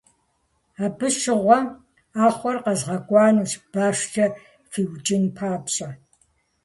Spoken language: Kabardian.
Абы щыгъуэм Ӏэхъуэр къэзгъэкӀуэнущ, башкӀэ фиукӀын папщӀэ.